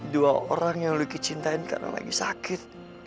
dua orang yang lo kecintain karena lagi sakit